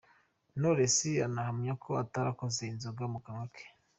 Knowless ahamya ako atarakoza inzoga mu kanwa ke.